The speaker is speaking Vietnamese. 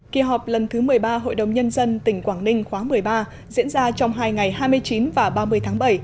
kỳ họp lần thứ một mươi ba hội đồng nhân dân tỉnh quảng ninh khóa một mươi ba diễn ra trong hai ngày hai mươi chín và ba mươi tháng bảy